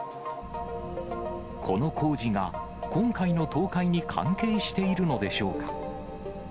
この工事が、今回の倒壊に関係しているのでしょうか。